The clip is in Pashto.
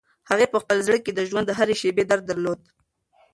هغې په خپل زړه کې د ژوند د هرې شېبې درد درلود.